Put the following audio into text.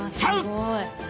あすごい。